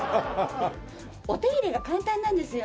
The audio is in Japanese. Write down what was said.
お手入れが簡単なんですよね。